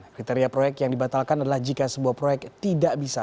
kriteria proyek yang dibatalkan adalah jika sebuah proyek tidak bisa